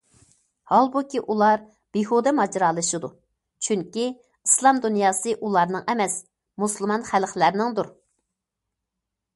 ھالبۇكى ئۇلار بىھۇدە ماجىرالىشىدۇ، چۈنكى ئىسلام دۇنياسى ئۇلارنىڭ ئەمەس، مۇسۇلمان خەلقلەرنىڭدۇر.